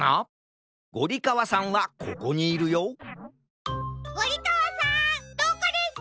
ゴリかわさんはここにいるよゴリかわさんどこですか？